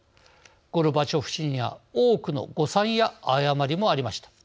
ゴルバチョフ氏には多くの誤算や誤りもありました。